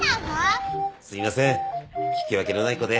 すみません聞き分けのない子で。